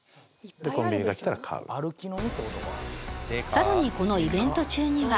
さらにこのイベント中には。